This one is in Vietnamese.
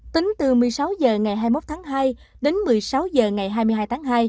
tính từ một mươi sáu h ngày hai mươi một tháng hai đến một mươi sáu h ngày hai mươi hai tháng hai